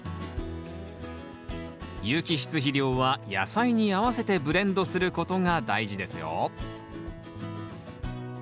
有機質肥料は野菜に合わせてブレンドすることが大事ですよ